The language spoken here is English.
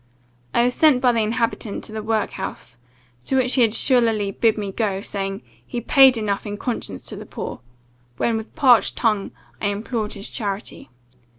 I was sent by the inhabitant to the work house, to which he had surlily bid me go, saying, he 'paid enough in conscience to the poor,' when, with parched tongue, I implored his charity.